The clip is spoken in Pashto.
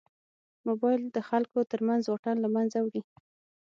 موبایل د خلکو تر منځ واټن له منځه وړي.